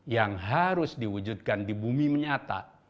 yang harus diwujudkan di bumi menyata